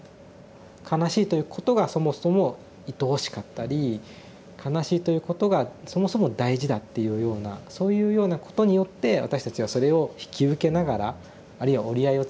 悲しいということがそもそもいとおしかったり悲しいということがそもそも大事だっていうようなそういうようなことによって私たちはそれを引き受けながらあるいは折り合いをつけながら生きていく。